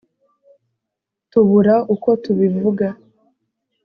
Tubura uko tubivuga